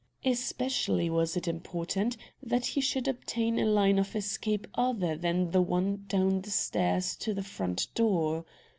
Especially was it important that he should obtain a line of escape other than the one down the stairs to the front door.